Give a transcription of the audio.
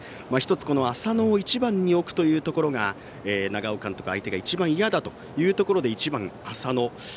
１つ、浅野を１番に置くところが長尾監督、相手が一番嫌だというところで１番浅野